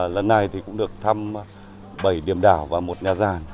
lần này thì cũng được thăm bảy điểm đảo và một nhà giàn